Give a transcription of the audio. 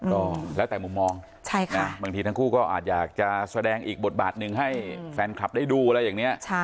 ก็แล้วแต่มุมมองบางทีทั้งคู่ก็อาจอยากจะแสดงอีกบทบาทหนึ่งให้แฟนคลับได้ดูอะไรอย่างนี้